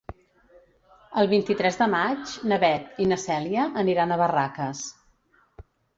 El vint-i-tres de maig na Beth i na Cèlia aniran a Barraques.